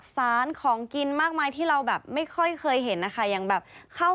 ยังมีอีกหรออ้าว